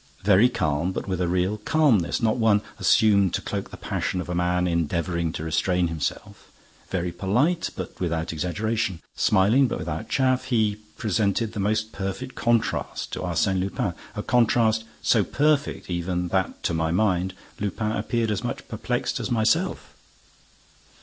Very calm, but with a real calmness, not one assumed to cloak the passion of a man endeavoring to restrain himself; very polite, but without exaggeration; smiling, but without chaff, he presented the most perfect contrast to Arsène Lupin, a contrast so perfect even that, to my mind, Lupin appeared as much perplexed as myself.